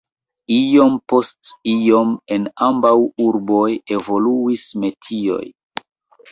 Iom post iom en ambaŭ urboj evoluis metioj.